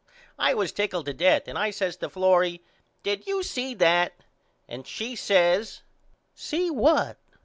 I was tickled to death and I says to Florrie Did you see that. And she says See what.